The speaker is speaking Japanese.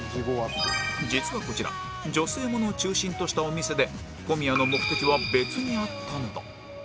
実はこちら女性ものを中心としたお店で小宮の目的は別にあったのだ